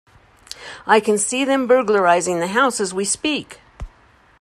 I can see them burglarizing the house as we speak!.